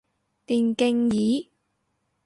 電競椅